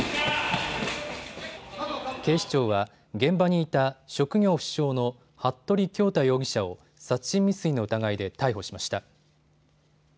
警視庁は現場にいた職業不詳の服部恭太容疑者を殺人未遂の疑いで逮捕しました。